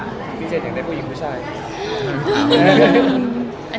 คือที่เจนยังได้ผู้หญิงพ่อชาย